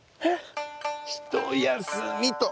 ひとやすみと。